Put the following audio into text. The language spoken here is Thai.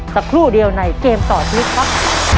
สักครู่เดียวในเกมต่อชีวิตครับ